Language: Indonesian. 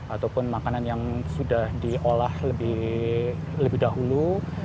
ataupun makanan yang sudah diolah lebih dahulu